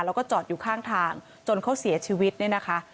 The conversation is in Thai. แล้วก็จอดอยู่ข้างทางจนเขาเสียชีวิตเนี่ยนะคะ